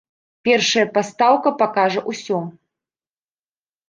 Першая пастаўка пакажа ўсё.